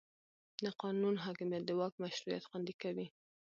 د قانون حاکمیت د واک مشروعیت خوندي کوي